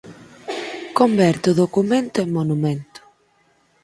Converte o documento en monumento.